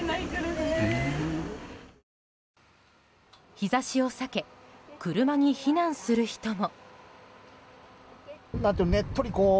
日差しを避け車に避難する人も。